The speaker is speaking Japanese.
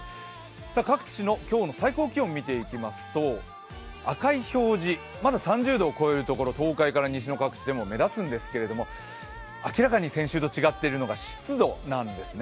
各地の今日の最高気温を見ていきますと、赤い表示、まだ３０度を超えるところ、東海から西の各地でも目立つんですけど、明らかに先週と違っているのが湿度なんですね。